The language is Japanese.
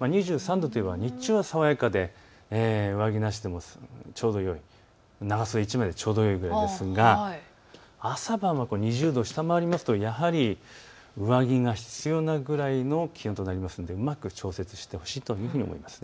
２３度といえば日中は爽やかで上着なしでもちょうどよい、長袖１枚でちょうどよいですが朝晩は２０度を下回りますとやはり上着が必要なぐらいの気温となりますので、うまく調節してほしいと思います。